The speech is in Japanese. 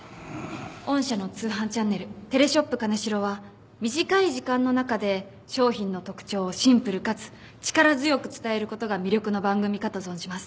御社の通販チャンネル『テレショップ金城』は短い時間の中で商品の特徴をシンプルかつ力強く伝えることが魅力の番組かと存じます。